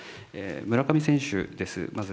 村上選手です、まず。